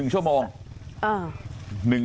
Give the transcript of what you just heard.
๑ชั่วโมง